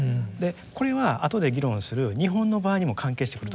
これはあとで議論する日本の場合にも関係してくると思うんですよ。